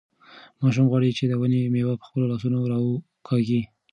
ماشوم غواړي چې د ونې مېوه په خپلو لاسونو راوکاږي.